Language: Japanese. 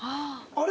あれ？